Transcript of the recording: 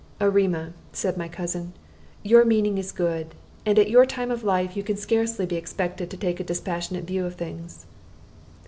"Erema," said my cousin, "your meaning is good, and at your time of life you can scarcely be expected to take a dispassionate view of things."